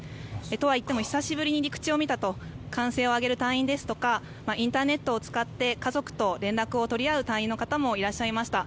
とはいっても久しぶりに陸地を見たと歓声を上げる隊員ですとかインターネットを使って家族と連絡を取り合う隊員の方もいらっしゃいました。